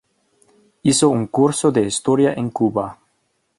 Hizo un curso de historia en Cuba.